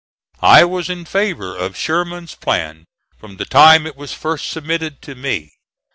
(*40) I was in favor of Sherman's plan from the time it was first submitted to me.